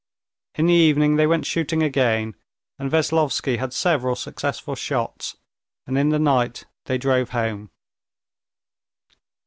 In the evening they went shooting again, and Veslovsky had several successful shots, and in the night they drove home.